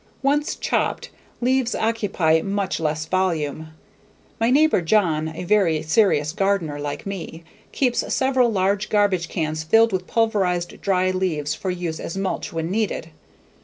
Once chopped, leaves occupy much less volume. My neighbor, John, a very serious gardener like me, keeps several large garbage cans filled with pulverized dry leaves for use as mulch when needed.